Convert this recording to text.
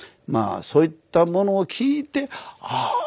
まあそういったものを聞いてああ